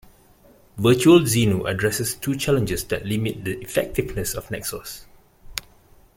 Virtual Xinu addresses two challenges that limit the effectiveness of Nexos.